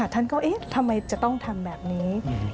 ท่านก็เอ๊ะทำไมจะต้องทำแบบนี้